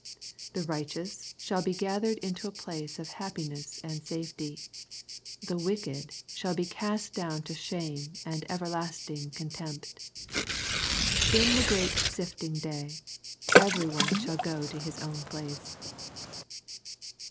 The righteous shall be gathered into a place of happiness and safety. The wicked shall be cast down to shame and everlasting contempt. In the great sifting day, every one shall go to his own place.